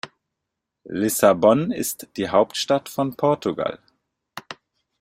Lissabon ist die Hauptstadt von Portugal.